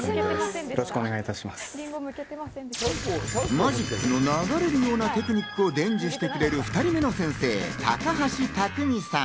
マジックの流れるようなテクニックを伝授してくれる２人目の先生、高橋匠さん。